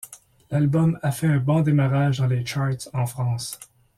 L'album a fait un bon démarrage dans les charts en France.